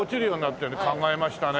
考えましたね。